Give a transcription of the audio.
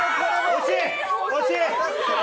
惜しい。